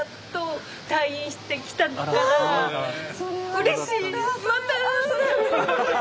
うれしい！